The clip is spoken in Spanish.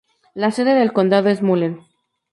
La sede del condado es Mullen.